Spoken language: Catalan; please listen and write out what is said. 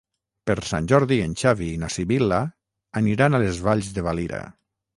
Per Sant Jordi en Xavi i na Sibil·la aniran a les Valls de Valira.